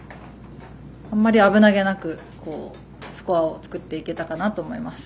あんまり危なげなくスコアを作っていけたかなと思います。